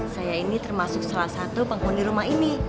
saya ini termasuk salah satu penghuni rumah ini